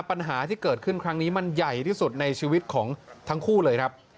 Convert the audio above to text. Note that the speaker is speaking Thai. ปัญหาที่เกิดขึ้นครั้งนี้มันใหญ่ที่สุดในชีวิตของทั้งคู่เลยครับ